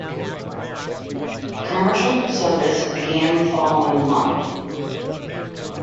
Commercial service began the following month.